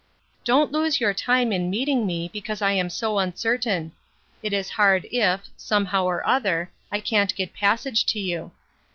Don't lose your time in meeting me; because I am so uncertain. It is hard if, some how or other, I can't get a passage to you.